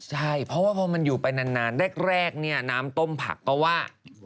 ใช่เพราะว่าพอมันอยู่ไปนานแรกเนี่ยน้ำต้มผักก็ว่า